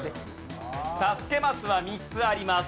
助けマスは３つあります。